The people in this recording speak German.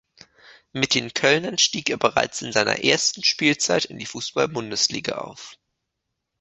Mit den Kölnern stieg er bereits in seiner ersten Spielzeit in die Fußball-Bundesliga auf.